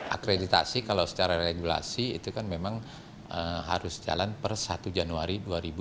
akreditasi kalau secara regulasi itu kan memang harus jalan per satu januari dua ribu dua puluh